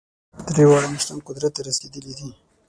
درې واړه مشران قدرت ته رسېدلي دي.